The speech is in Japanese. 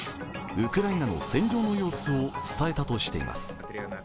ウクライナの戦場の様子を伝えたとしています。